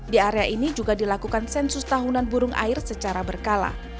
di area ini juga dilakukan sensus tahunan burung air secara berkala